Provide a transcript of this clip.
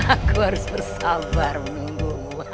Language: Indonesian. aku harus bersabar menunggu